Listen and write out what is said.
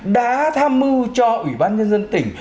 đã tham mưu cho ủy ban nhân dân tỉnh